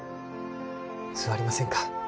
座りませんか？